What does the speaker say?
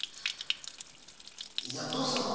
いやどうしたの？